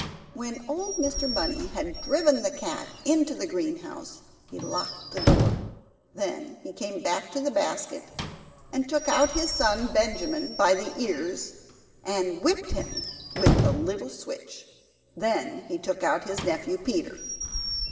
When old Mr. Bunny had driven the cat into the greenhouse, he locked the door. Then he came back to the basket and took out his son Benjamin by the ears, and whipped him with the little switch. Then he took out his nephew Peter.